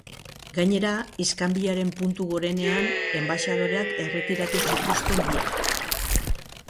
Gainera, iskanbilaren puntu gorenean, enbaxadoreak erretiratu zituzten biek.